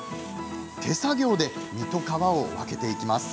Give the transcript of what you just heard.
手作業で実と皮を分けていきます。